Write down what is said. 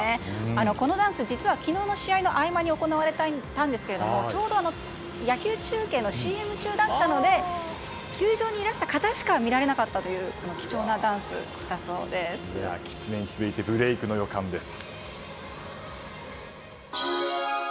このダンス、実は昨日の試合の合間に行われたんですけれどちょうど野球中継のＣＭ中だったので球場にいらした方しか見られなかったというキツネに続いてブレークの予感です。